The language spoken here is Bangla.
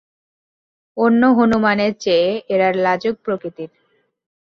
অন্য হনুমানের চেয়ে এরা লাজুক প্রকৃতির।